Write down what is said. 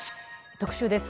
特集です。